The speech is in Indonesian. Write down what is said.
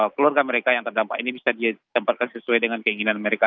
keluarga mereka yang terdampak ini bisa ditempatkan sesuai dengan keinginan mereka